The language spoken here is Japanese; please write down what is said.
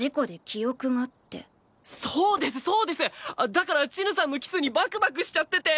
だからちぬさんのキスにバクバクしちゃってて。